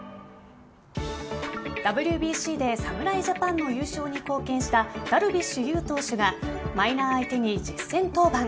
ＷＢＣで侍ジャパンの優勝に貢献したダルビッシュ有投手がマイナー相手に実戦登板。